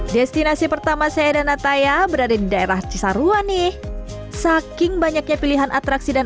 destinasi pertama saya dan nataya berada di daerah cisarua nih saking banyaknya pilihan atraksi dan